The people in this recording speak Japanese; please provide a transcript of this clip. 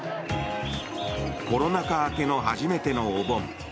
コロナ禍明けの初めてのお盆。